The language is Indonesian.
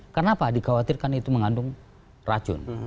kenapa dikhawatirkan itu mengandung racun